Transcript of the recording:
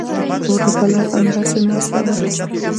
توره بلا همداسې ناسته وه.